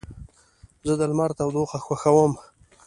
زه د لمر تودوخه خوښوم.